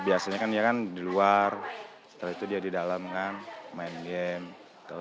biasanya kan dia kan di luar setelah itu dia di dalam kan main game